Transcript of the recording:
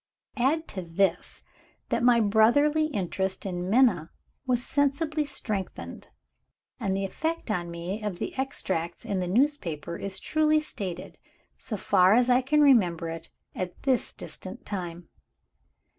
Add to this, that my brotherly interest in Minna was sensibly strengthened and the effect on me of the extracts in the newspaper is truly stated, so far as I can remember it at this distant time.